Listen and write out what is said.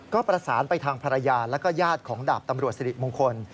ก็ประสานไปทางภรรยาแล้วก็ญาติของดาบตำรวจสิริมงคล